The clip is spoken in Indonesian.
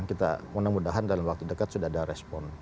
kita mudah mudahan dalam waktu dekat sudah ada respon